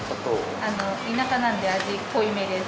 田舎なんで味濃い目です。